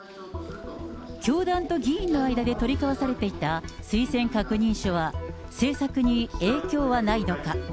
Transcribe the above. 教団と議員の間で取り交わされていた、推薦確認書は、政策に影響はないのか。